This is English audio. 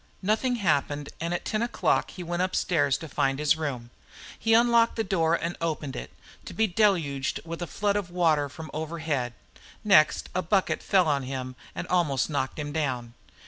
Nothing happened, and at ten o'clock he went upstairs to find his room. He unlocked the door and opened it, to be deluged by a flood of water from overhead. Next a bucket fell on him and almost knocked him down.